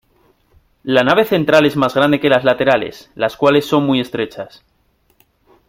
La nave central es más grande que las laterales, las cuales son muy estrechas.